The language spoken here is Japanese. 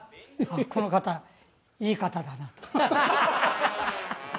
ああ、この方、いい方だなと。